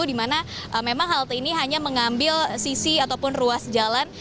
di mana memang halte ini hanya mengambil sisi ataupun ruas jalan